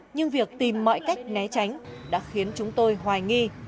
nhưng việc tìm mọi cách né tránh đã khiến chúng tôi hoài nghi